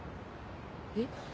えっ？